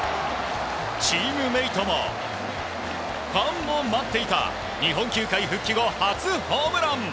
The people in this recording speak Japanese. チームメートもファンも待っていた日本球界復帰後、初ホームラン。